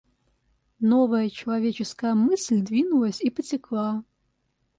Новая человеческая мысль двинулась и потекла.